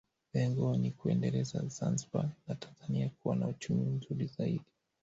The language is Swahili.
Lengo ni kuiendeleza Zanzibar na Tanzania kuwa na uchumi mzuri zaidi